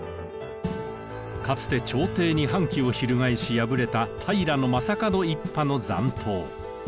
かつて朝廷に反旗を翻し敗れた平将門一派の残党。